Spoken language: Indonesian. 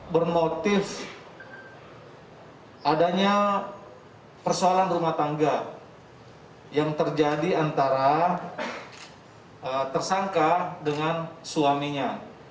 bermotif adanya persoalan rumah tangga yang terjadi antara tersangka dengan suaminya